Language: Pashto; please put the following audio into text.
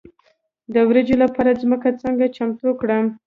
د وریجو لپاره ځمکه څنګه چمتو کړم؟